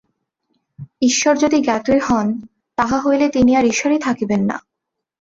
ঈশ্বর যদি জ্ঞাতই হন, তাহা হইলে তিনি আর ঈশ্বরই থাকিবেন না।